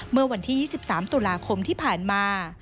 เมื่อวันที่๒๓ตุลาคมที่ผ่านมา